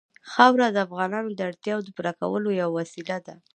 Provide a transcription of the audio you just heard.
خاوره د افغانانو د اړتیاوو د پوره کولو یوه وسیله ده.